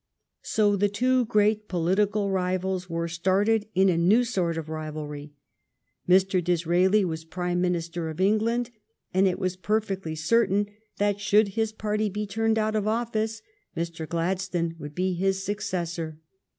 So the two great political rivals were started in a new sort of rivalry. Mr. Dis raeli was Prime Minister of England, and it was perfectly certain that should his party be turned out of office Mr. Gladstone would be his successor.